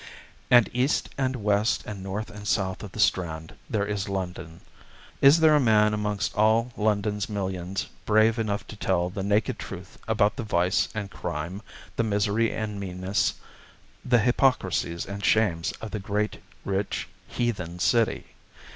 And east and west, and north and south of the Strand, there is London. Is there a man amongst all London's millions brave enough to tell the naked truth about the vice and crime, the misery and meanness, the hypocrisies and shames of the great, rich, heathen city?